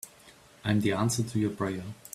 I'm the answer to your prayer.